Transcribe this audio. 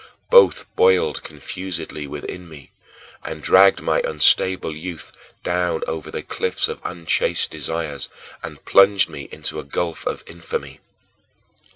Both boiled confusedly within me, and dragged my unstable youth down over the cliffs of unchaste desires and plunged me into a gulf of infamy.